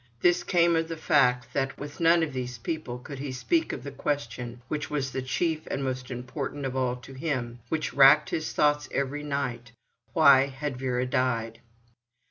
This came of the fact that with none of these people could he speak of the question which was the chief and most important of all to him, which racked his thoughts every night: Why had Vera died?